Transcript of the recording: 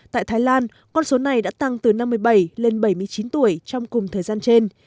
tại thái lan con số này đã tăng từ năm mươi bảy lên bảy mươi chín tuổi trong cùng thời gian trên